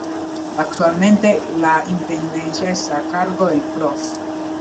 Actualmente la Intendencia está a cargo del Prof.